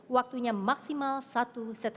waktunya maksimal satu lima menit